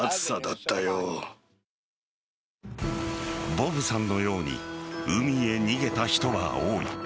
ボブさんのように海へ逃げた人は多い。